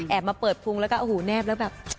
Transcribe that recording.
แอบมาเปิดพุงแล้วก็หูแนบแล้วก็แบบ